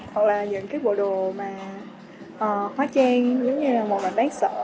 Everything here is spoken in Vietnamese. hoặc là những bộ đồ hóa trang giống như là một bản bán sợ